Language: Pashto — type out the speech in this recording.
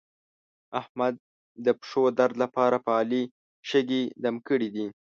احمد د پښو درد لپاره په علي شګې دم کړې دي.